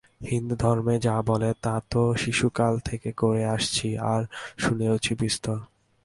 হিন্দুধর্মে যা বলে তা তো শিশুকাল থেকে করে আসছি, আর শুনেওছি বিস্তর।